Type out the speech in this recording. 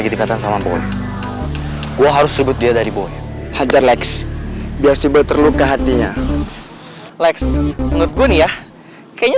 gue harus sebut dia dari boy hajar lex biar si berterluka hatinya lex menurut gue nih ya kayaknya